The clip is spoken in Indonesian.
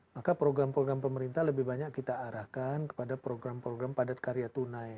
maka program program pemerintah lebih banyak kita arahkan kepada program program padat karya tunai